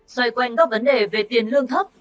xoay quanh các vấn đề về tiền lương thấp